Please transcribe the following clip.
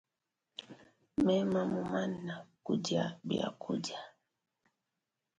Mema mumana kudia bia kudia.